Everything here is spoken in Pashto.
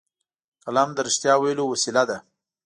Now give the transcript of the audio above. قلم د رښتیا ویلو وسیله ده